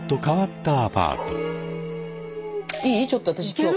ちょっと私今日。